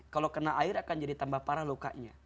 kalau kena air akan jadi tambah parah lukanya